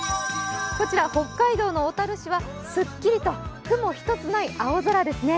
こちら、北海道の小樽市はすっきりと雲一つない天気ですね。